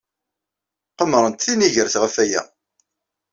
Qemmrent tinigert ɣef waya.